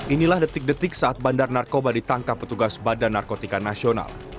inilah detik detik saat bandar narkoba ditangkap petugas badan narkotika nasional